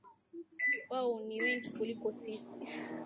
Wao ni wengi kuliko sisi